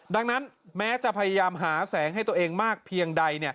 ดังนั้นแม้จะพยายามหาแสงให้ตัวเองมากเพียงใด